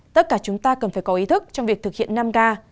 tất cả chúng ta cần phải có ý thức trong việc thực hiện năm k